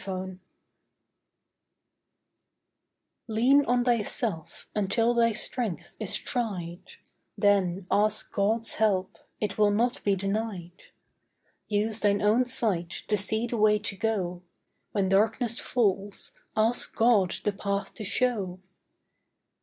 PRAYER Lean on thyself until thy strength is tried; Then ask God's help; it will not be denied. Use thine own sight to see the way to go; When darkness falls ask God the path to show.